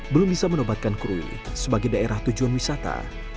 belum bisa menobatkan krui sebagai daerah tujuan wisata